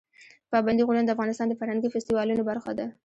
پابندي غرونه د افغانستان د فرهنګي فستیوالونو برخه ده.